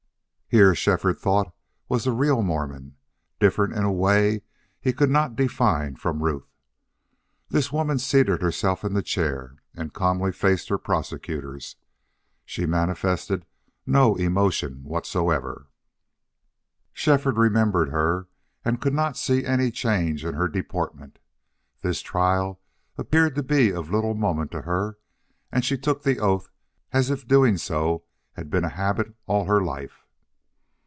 Here, Shefford thought, was the real Mormon, different in a way he could not define from Ruth. This woman seated herself in the chair and calmly faced her prosecutors. She manifested no emotion whatever. Shefford remembered her and could not see any change in her deportment. This trial appeared to be of little moment to her and she took the oath as if doing so had been a habit all her life.